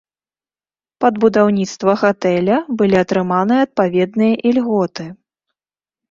Пад будаўніцтва гатэля былі атрыманыя адпаведныя ільготы.